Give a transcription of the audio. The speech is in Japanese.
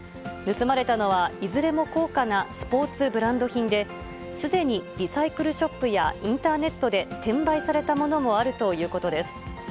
盗まれたのはいずれも高価なスポーツブランド品で、すでにリサイクルショップや、インターネットで転売されたものもあるということです。